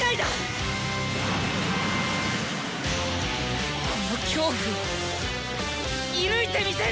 心の声この恐怖を射ぬいてみせる！